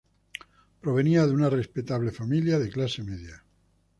Provenía de una respetable familia de clase media.